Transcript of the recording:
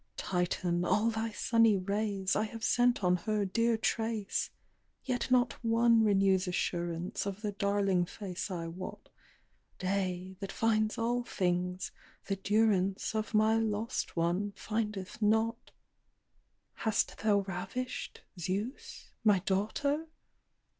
Titan, all thy sunny rays I have sent on her dear trace. Yet not one renews assurance Of the darling face I wot, Day, that finds all things, the durance Of my lost one, findeth not. "Hast thou ravished, Zeus, my daughter?